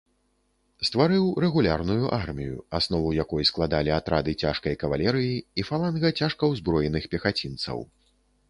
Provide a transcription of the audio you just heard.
Стварыў рэгулярную армію, аснову якой склалі атрады цяжкай кавалерыі і фаланга цяжкаўзброеных пехацінцаў.